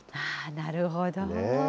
なるほど。